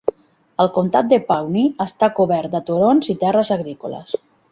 El comtat de Pawnee està cobert de turons i terres agrícoles.